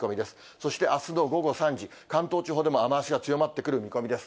そしてあすの午後３時、関東地方でも雨足が強まってくる見込みです。